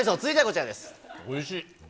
おいしい。